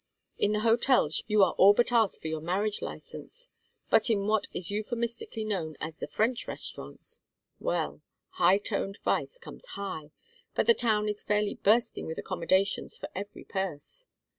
In the hotels you are all but asked for your marriage license, but in what is euphemistically known as the French restaurants well, high toned vice comes high, but the town is fairly bursting with accommodations for every purse.